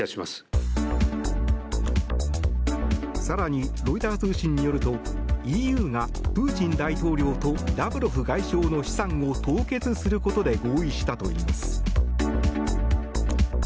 更に、ロイター通信によるとＥＵがプーチン大統領とラブロフ外相の資産を凍結することで合意したといいます。